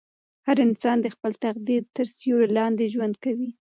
هر انسان د خپل تقدیر تر سیوري لاندې ژوند کوي.